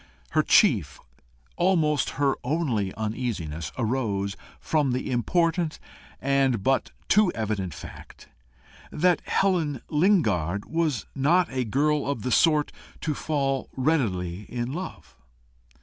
Her chief, almost her only uneasiness, arose from the important and but too evident fact, that Helen Lingard was not a girl of the sort to fall readily in love.